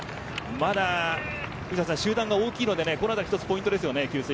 まだ集団が大きいのでこのあたり給水もポイントです。